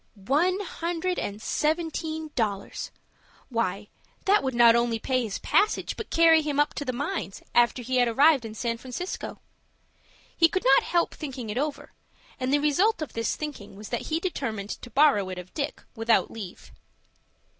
One hundred and seventeen dollars! Why, that would not only pay his passage, but carry him up to the mines, after he had arrived in San Francisco. He could not help thinking it over, and the result of this thinking was that he determined to borrow it of Dick without leave.